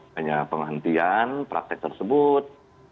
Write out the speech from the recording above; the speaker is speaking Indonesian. hanya penghentian praktek tersebut